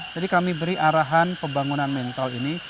jadi kami beri arahan pembangunan mental ini